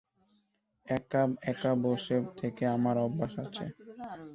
এক-একা বসে থেকে আমার অভ্যাস আছে।